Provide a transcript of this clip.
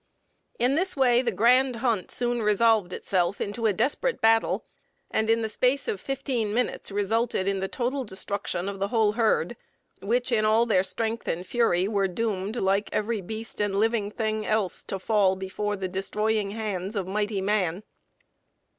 "In this way this grand hunt soon resolved itself into a desperate battle, and in the space of fifteen minutes resulted in the total destruction of the whole herd, which in all their strength and fury were doomed, like every beast and living thing else, to fall before the destroying hands of mighty man.